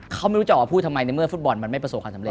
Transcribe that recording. เขาไม่รู้เอาจะออกพูดทำไมในเมื่อฟุตบอลไม่ประสงค์ความสำเร็จ